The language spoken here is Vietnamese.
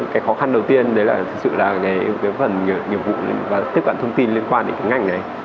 cái khó khăn đầu tiên đấy là thực sự là cái phần nhiệm vụ và tiếp cận thông tin liên quan đến cái ngành đấy